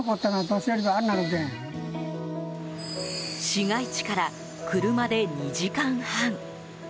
市街地から車で２時間半。